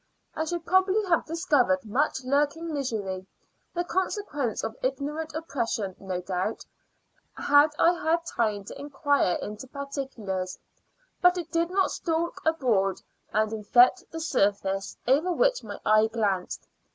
I should probably have discovered much lurking misery, the consequence of ignorant oppression, no doubt, had I had time to inquire into particulars; but it did not stalk abroad and infect the surface over which my eye glanced.